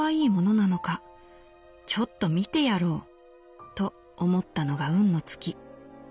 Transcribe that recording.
ちょっと見てやろう』と思ったのが運の尽き。